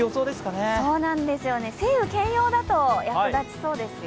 晴雨兼用だと役立ちそうですよ。